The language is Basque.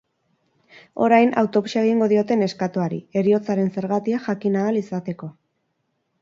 Orain, autopsia egingo diote neskatoari, heriotzaren zergatia jakin ahal izateko.